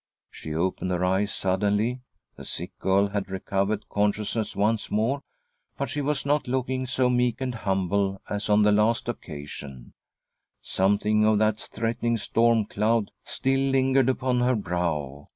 She opened her eyes suddenly. The sick girl had recovered consciousness once more, but she was not looking so meek and humble as on the last occasion ; something of that threaten ing storm cloud still lingered upon her brow.